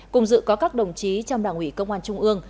cùng dự có các đồng chí trong đảng ủy công an trung ương